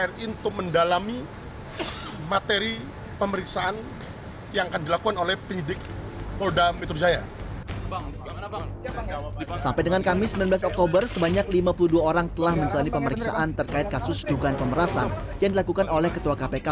firly yang sebelumnya dijadwalkan hadir pada jumat siang menyatakan ketidakhadirannya melalui surat yang dikirimkan oleh staff fungsional birohukum kpk